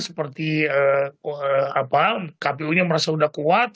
seperti kpu nya merasa sudah kuat